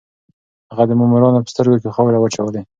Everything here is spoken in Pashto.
هغه د مامورانو په سترګو کې خاورې واچولې.